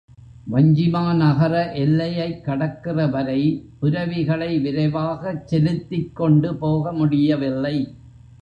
வஞ்சிமா நகர எல்லையைக் கடக்கிறவரை புரவிகளை விரைவாகச் செலுத்திக் கொண்டு போகமுடியவில்லை.